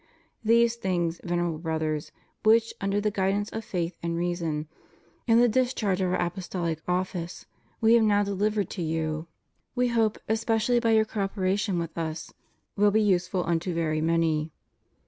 These things, Venerable Brothers, which, under the guidance of faith and reason, in the discharge of Our Apostolic office, We have now delivered to you, We hope, especially by your co operation with Us, will be useful unto very many.